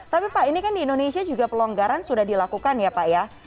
tapi pak ini kan di indonesia juga pelonggaran sudah dilakukan ya pak ya